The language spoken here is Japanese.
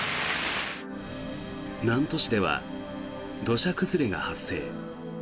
南砺市では土砂崩れが発生。